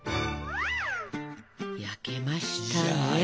いや焼けました！